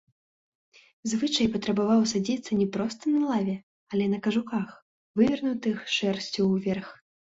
Звычай патрабаваў садзіцца не проста на лаве, але на кажухах, вывернутых шэрсцю ўверх.